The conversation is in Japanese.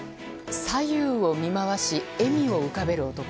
左右を見回し笑みを浮かべる男。